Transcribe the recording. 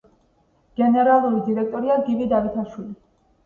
გენერალური დირექტორია გივი დავითაშვილი.